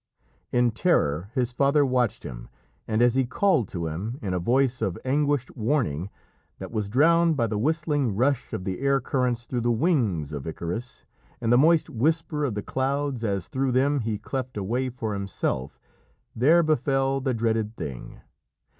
In terror his father watched him, and as he called to him in a voice of anguished warning that was drowned by the whistling rush of the air currents through the wings of Icarus and the moist whisper of the clouds as through them he cleft a way for himself, there befell the dreaded thing.